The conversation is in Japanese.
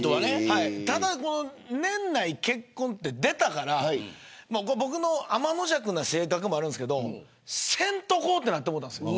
ただ、年内結婚って出たから僕の、あまのじゃくな性格もあるんですけどせんとこってなってもうたんですよ。